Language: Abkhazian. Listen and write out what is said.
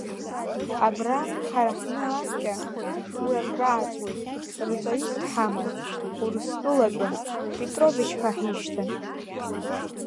Абра, ҳара ҳҟны, анкьа, уи акрааҵуеит, рҵаҩык дҳаман, Урыстәылатәын, Петрович ҳәа ҳишьҭан.